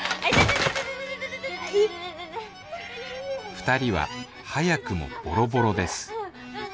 ２人は早くもボロボロです